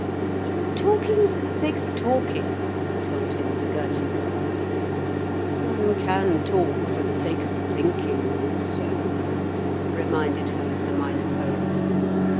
] "You are talking for the sake of talking," told him the Girton Girl. "One can talk for the sake of thinking also," reminded her the Minor Poet.